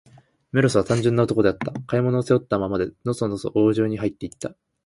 メロスは、単純な男であった。買い物を、背負ったままで、のそのそ王城にはいって行った。